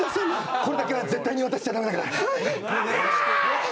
これだけは絶対に渡しちゃだめだから。